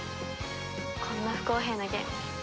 こんな不公平なゲーム